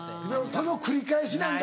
その繰り返しなんだ。